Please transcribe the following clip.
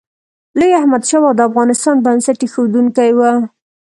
لوی احمدشاه بابا د افغانستان بنسټ ایښودونکی و.